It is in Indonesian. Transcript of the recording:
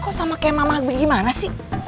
kok sama kayak mamah gimana sih